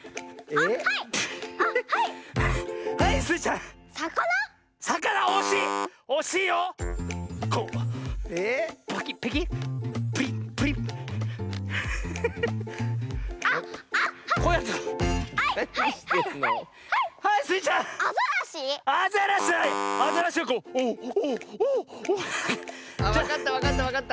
あっわかったわかったわかった！